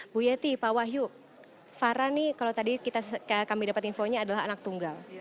bu yeti pak wahyu fara nih kalau tadi kami dapat infonya adalah anak tunggal